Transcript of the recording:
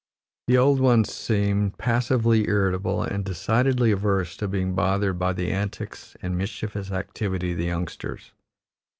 The old ones seem passively irritable and decidedly averse to being bothered by the antics and mischievous activity of the youngsters.